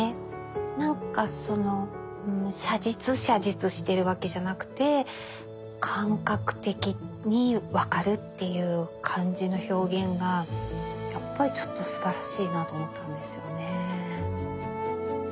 なんかその写実写実しているわけじゃなくて感覚的にわかるっていう感じの表現がやっぱりちょっとすばらしいなと思ったんですよね。